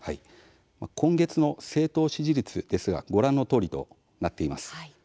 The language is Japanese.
今月の政党支持率ですがご覧のとおりとなっています。